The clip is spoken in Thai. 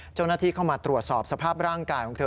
เจ้าหน้าที่เข้ามาตรวจสอบสภาพร่างกายของเธอ